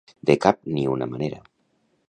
De cap ni una manera.